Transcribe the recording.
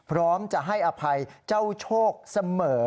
พร้อมจะให้อภัยเจ้าโชคเสมอ